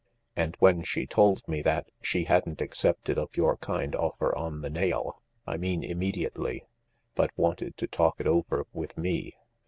And when she told me that she hadn't accepted of your kind offer on the nail — I mean immediately — but wanted to talk it over with me.